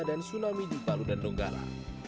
dan tsunami di palu dan donggala